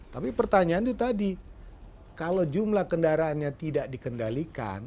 tapi pertanyaan itu tadi kalau jumlah kendaraannya tidak dikendalikan